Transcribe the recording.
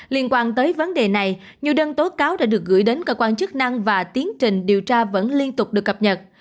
với vấn đề này nhiều đơn tố cáo đã được gửi đến cơ quan chức năng và tiến trình điều tra vẫn liên tục được cập nhật